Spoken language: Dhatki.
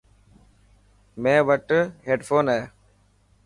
ميڻ وٽ هيڊفون هي.